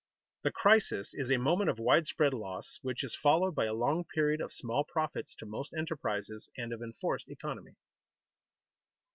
_The crisis is a moment of widespread loss, which is followed by a long period of small profits to most enterprises, and of enforced economy.